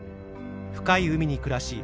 深い海に暮らし